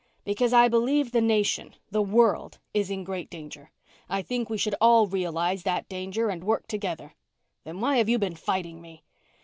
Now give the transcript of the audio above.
"Because I believe the nation the world is in great danger. I think we should all realize that danger and work together." "Then why have you been fighting me?"